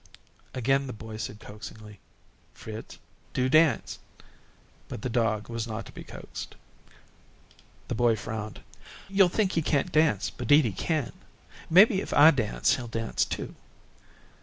Again the boy said coaxingly, "Fritz, do dance," but the dog was not to be coaxed. The boy frowned. "Yo'll think he can't dance, but 'deed he can. Maybe, if I dance, he'll dance too."